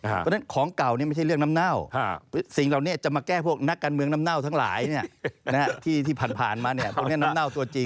เพราะฉะนั้นของเก่านี่ไม่ใช่เรื่องน้ำเน่าสิ่งเหล่านี้จะมาแก้พวกนักการเมืองน้ำเน่าทั้งหลายที่ผ่านมาพวกนี้น้ำเน่าตัวจริง